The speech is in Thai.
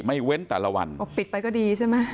ไม่เว้นแต่ละวันบอกปิดไปก็ดีใช่มั้ย